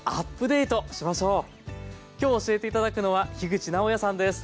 今日教えて頂くのは口直哉さんです。